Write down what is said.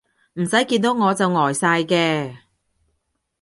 唔使見到我就呆晒嘅